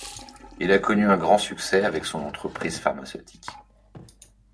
Il a connu un grand succès avec son entreprise pharmaceutique.